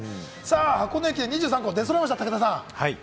箱根駅伝２３校で揃いました、武田さん。